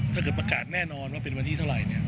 ถ้าเกิดประกาศแน่นอนว่าเป็นวันที่เท่าไหร่